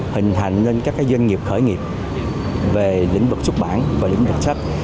hình hành lên các doanh nghiệp khởi nghiệp về lĩnh vực xuất bản và lĩnh vực sách